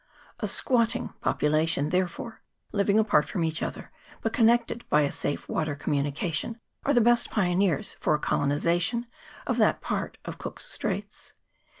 A squatting population, therefore, living apart from each other, but connected by a safe water com munication, are the best pioneers for a colonization of that part of Cook's Straits.